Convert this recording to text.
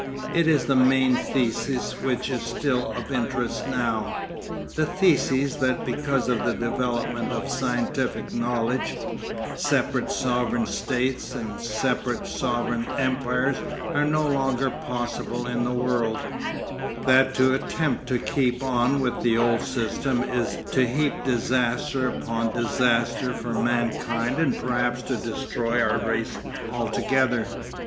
It is the main thesis which is still of interest now; the thesis that because of the development of scientific knowledge, separate sovereign states and separate sovereign empires are no longer possible in the world, that to attempt to keep on with the old system is to heap disaster upon disaster for mankind and perhaps to destroy our race altogether.